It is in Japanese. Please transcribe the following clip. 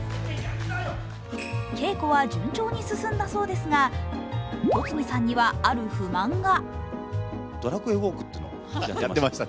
稽古は順調に進んだそうですが、戸次さんにはある不満が。